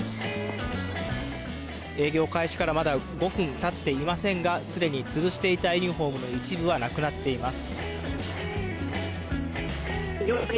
営業開始からまだ５分たっていませんがすでにつるしていたユニホームの一部はなくなっています。